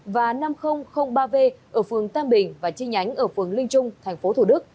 và năm nghìn ba v ở phương tam bình và chi nhánh ở phương linh trung tp thd